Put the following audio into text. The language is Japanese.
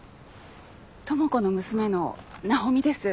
知子の娘の奈穂美です。